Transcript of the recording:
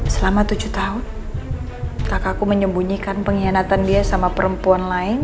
selama tujuh tahun kakakku menyembunyikan pengkhianatan dia sama perempuan lain